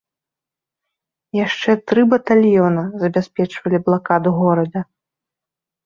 Яшчэ тры батальёна забяспечвалі блакаду горада.